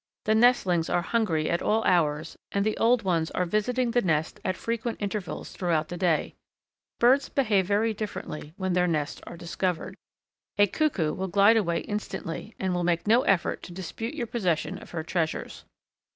The nestlings are hungry at all hours, and the old ones are visiting the nest at frequent intervals throughout the day. Birds behave very differently when their nests are discovered. A Cuckoo will glide away instantly and will make no effort to dispute your possession of her treasures.